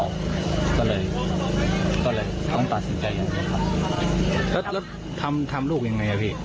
ก็เลยก็เลยต้องตัดสินใจอย่างเดียวครับแล้วแล้วทำทำลูกยังไงอ่ะพี่